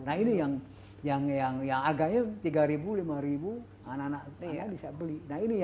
nah ini yang harganya rp tiga lima ribu anak anak bisa beli